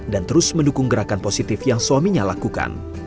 dan terus mendukung gerakan positif yang suaminya lakukan